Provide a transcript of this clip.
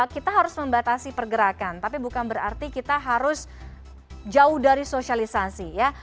kita harus membatasi pergerakan tapi bukan berarti kita harus jauh dari sosialisasi ya